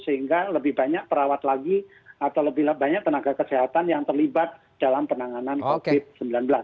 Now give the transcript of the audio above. sehingga lebih banyak perawat lagi atau lebih banyak tenaga kesehatan yang terlibat dalam penanganan covid sembilan belas